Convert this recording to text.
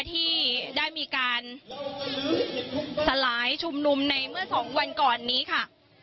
ที่ได้มีการสลายชุมนุมในเมื่อสองวันก่อนนี้ค่ะ